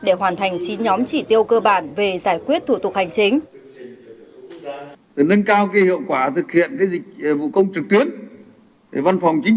để hoàn thành chín nhóm chỉ tiêu cơ bản về giải quyết thủ tục hành chính